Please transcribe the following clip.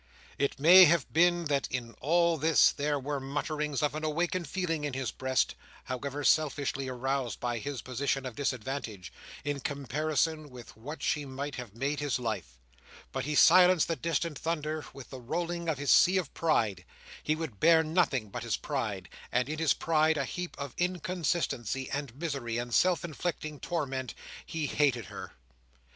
It may have been that in all this there were mutterings of an awakened feeling in his breast, however selfishly aroused by his position of disadvantage, in comparison with what she might have made his life. But he silenced the distant thunder with the rolling of his sea of pride. He would bear nothing but his pride. And in his pride, a heap of inconsistency, and misery, and self inflicted torment, he hated her.